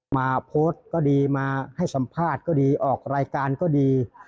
มาโพสต์ก็ดีมาให้สัมภาษณ์ก็ดีออกรายการก็ดี